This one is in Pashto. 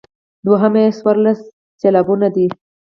دوهمه یې څوارلس سېلابه ده.